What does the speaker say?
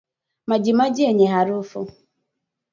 Majimaji yenye harufu